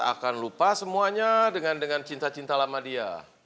akan lupa semuanya dengan cinta cinta lama dia